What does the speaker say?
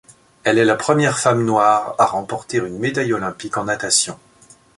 Elle est la première femme noire à remporter une médaille olympique en natation.